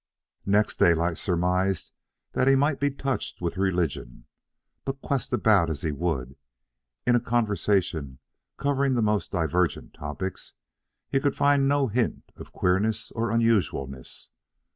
Next, Daylight surmised that he might be touched with religion; but, quest about as he would, in a conversation covering the most divergent topics, he could find no hint of queerness or unusualness.